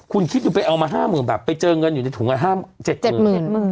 คุณคิดดูไปเอามา๕๐๐๐บาทไปเจอเงินอยู่ในถุงละ๕๗หมื่น